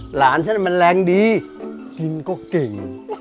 หลานฉันมันแรงดีกินก็เก่ง